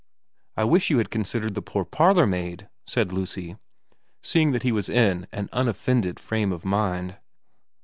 ' I wish you had considered the poor parlourmaid,' said Lucy, seeing that he was in an unoffended frame of mind.